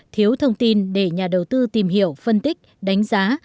thiếu thông tin để nhà đầu tư tìm hiểu phân tích đánh giá